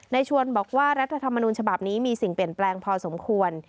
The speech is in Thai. ชวนบอกว่ารัฐธรรมนูญฉบับนี้มีสิ่งเปลี่ยนแปลงพอสมควร